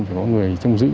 phải có người chung giữ